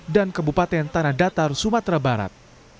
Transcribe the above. dan kebupaten tanah datar sumatera barat